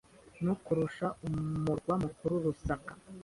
no kurusha umurwa mukuru Lusaka.